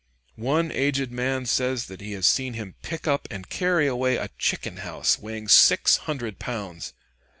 One aged man says that he has seen him pick up and carry away a chicken house weighing six hundred pounds.